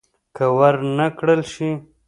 که ور نه کړل شي.